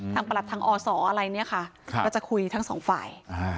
ประหลัดทางอศอะไรเนี่ยค่ะก็จะคุยทั้งสองฝ่าย